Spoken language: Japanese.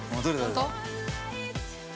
◆本当？